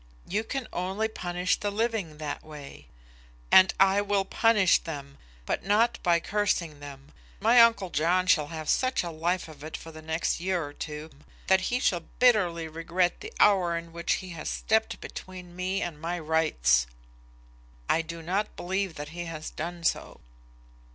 "You can only punish the living that way." "And I will punish them; but not by cursing them. My uncle John shall have such a life of it for the next year or two that he shall bitterly regret the hour in which he has stepped between me and my rights." "I do not believe that he has done so."